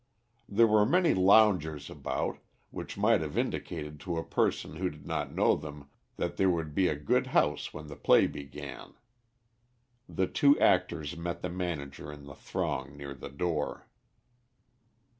There were many loungers about, which might have indicated to a person who did not know, that there would be a good house when the play began. The two actors met the manager in the throng near the door.